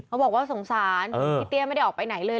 บอกว่าสงสารพี่เตี้ยไม่ได้ออกไปไหนเลย